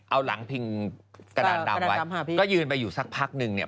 เอาหลังพิงกระดานดำไว้ก็ยืนไปอยู่สักพักนึงเนี่ย